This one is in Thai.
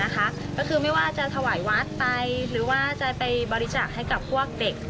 ก็คือไม่ว่าจะถวายวัดไปหรือว่าจะไปบริจาคให้กับพวกเด็ก